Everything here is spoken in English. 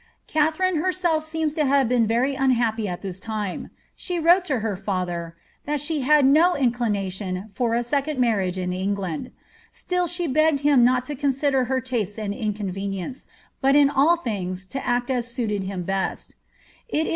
Katharine herself seems to have been very unhappy at this time. She wrote to her father, ^ that she had no inclination for a second marriagv in England ;' still she begged him not to consider her tastes or incon venience, but in all things to act as suited him best" It is.